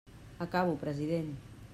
Acabo, president.